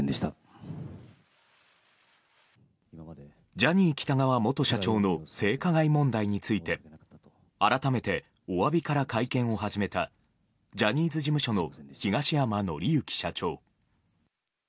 ジャニー喜多川元社長の性加害問題について改めて、おわびから会見を始めたジャニーズ事務所の東山紀之社長。